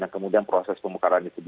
dan kemudian proses penyelidikan